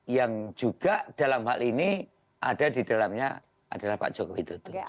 yang juga dalam hal ini ada di dalamnya adalah pak joko widodo